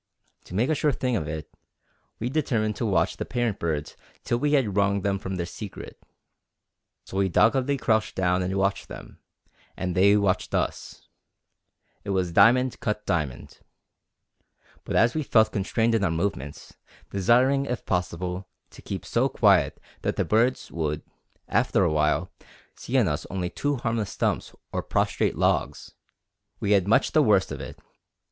To make a sure thing of it, we determined to watch the parent birds till we had wrung from them their secret. So we doggedly crouched down and watched them, and they watched us. It was diamond cut diamond. But as we felt constrained in our movements, desiring, if possible, to keep so quiet that the birds would, after a while, see in us only two harmless stumps or prostrate logs, we had much the worst of it.